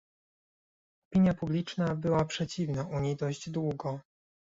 Opinia publiczna była przeciwna Unii dość długo